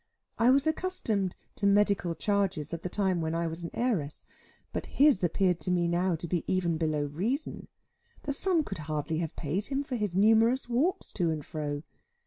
I was accustomed to medical charges of the time when I was an heiress: but his appeared to me now to be even below reason. The sum could hardly have paid him for his numerous walks to and fro.